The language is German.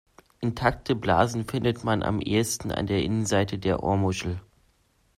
Intakte Blasen findet man am ehesten an der Innenseite der Ohrmuschel.